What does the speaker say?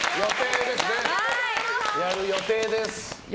やる予定です！